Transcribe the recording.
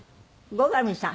後上さん。